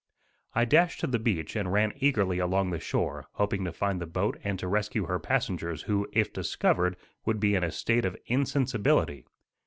I dashed to the beach and ran eagerly along the shore, hoping to find the boat and to rescue her passengers who, if discovered, would be in a state of insensibility.